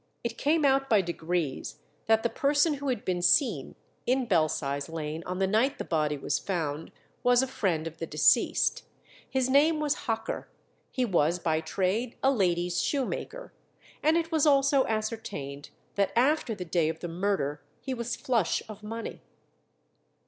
It came out by degrees that the person who had been seen in Belsize Lane on the night the body was found was a friend of the deceased. His name was Hocker; he was by trade a ladies' shoemaker; and it was also ascertained that after the day of the murder he was flush of money.